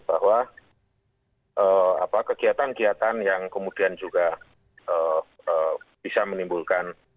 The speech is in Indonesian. bahwa kegiatan kegiatan yang kemudian juga bisa menimbulkan